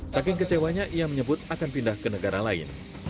saking kecewanya ia menyebut akan pindah ke negara lain